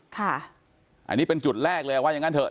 ค่ะอันนี้เป็นจุดแรกเลยว่าอย่างนั้นเถ